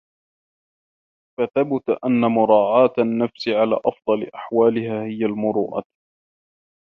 فَثَبُتَ أَنَّ مُرَاعَاةَ النَّفْسِ عَلَى أَفْضَلِ أَحْوَالِهَا هِيَ الْمُرُوءَةُ